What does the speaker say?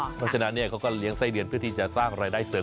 เพราะฉะนั้นเขาก็เลี้ยงไส้เดือนเพื่อที่จะสร้างรายได้เสริม